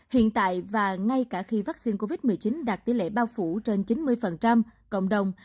hiện tại và ngay cả khi vaccine covid một mươi chín đạt tỷ lệ bao phủ trên chín mươi cộng đồng